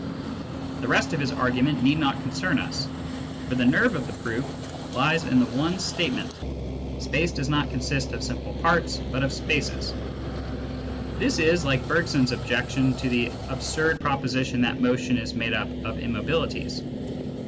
The rest of his argimient need not concern us, for the nerve of the proof lies in the one statement :" Space does not consist of simple parts, but of spaces." This is like Bergson's objection to "the absurd proposition that motion is made up of immobilities."